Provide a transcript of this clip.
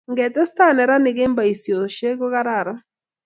ngetesta neranik eng boisosheck ko kararan